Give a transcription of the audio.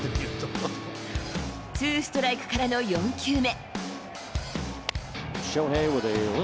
ツーストライクからの４球目。